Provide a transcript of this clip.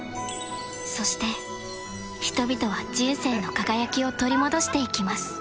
そして人々は人生の輝きを取り戻していきます